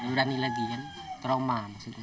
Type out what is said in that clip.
berani lagi kan trauma